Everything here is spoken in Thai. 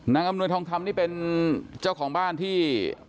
อำนวยทองคำนี่เป็นเจ้าของบ้านที่